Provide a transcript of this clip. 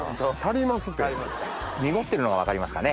濁ってるのが分かりますかね？